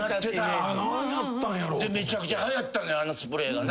めちゃくちゃはやったあのスプレーがな。